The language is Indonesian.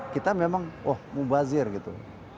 kita memang wah mubazir gitu